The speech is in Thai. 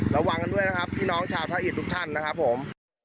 ระวังกันด้วยนะครับพี่น้องชาวพระอิตทุกท่านนะครับผม